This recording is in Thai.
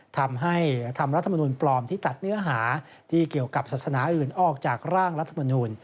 ทำให้ทำรัฐมนุนปลอมที่ตัดเนื้อหาที่เกี่ยวกับศาสนาอื่นออกจากร่างรัฐมนูล